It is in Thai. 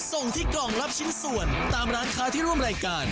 ส่งที่กล่องรับชิ้นส่วนตามร้านค้าที่ร่วมรายการ